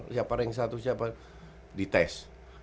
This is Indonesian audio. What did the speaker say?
siapa rank satu siapa rank dua dites